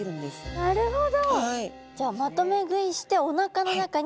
なるほど。